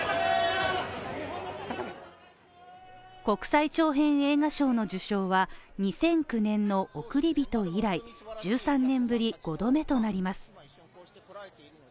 国際長編映画賞の受賞は２００９年の「おくりびと」以来１３年ぶり５度目となります。